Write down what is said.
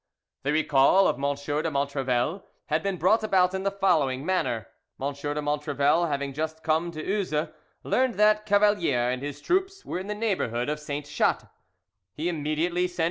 The recall of M. de Montrevel had been brought about in the following manner:—M. de Montrevel having just come to Uzes, learned that Cavalier and his troops were in the neighbourhood of Sainte Chatte; he immediately sent M.